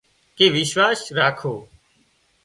ڪي وشواس راکو